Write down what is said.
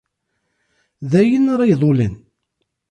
D ayen ara iḍulen.